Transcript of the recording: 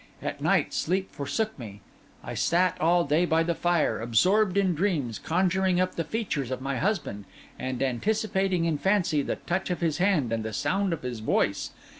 At night sleep forsook me; I sat all day by the fire, absorbed in dreams, conjuring up the features of my husband, and anticipating in fancy the touch of his hand and the sound of his voice.